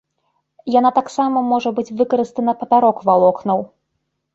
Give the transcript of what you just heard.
Яна таксама можа быць выкарыстана папярок валокнаў.